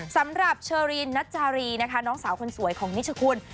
สำหรับเชอรีนนัจจารีนะคะน้องสาวคนสวยของนิชคุณ